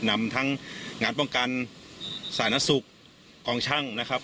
นำทั้งงานป้องกันสาธารณสุขกองช่างนะครับ